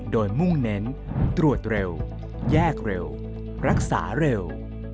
โดยมุ่งเน้นตรวจเร็วแยกเร็วรักษาเร็ว